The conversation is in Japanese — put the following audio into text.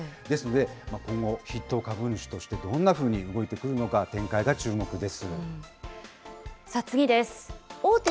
ですので、今後、筆頭株主としてどんなふうに動いてくるのか、展次です。